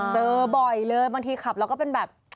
เจอบ่อยเลยบางทีขับแล้วก็เป็นแบบ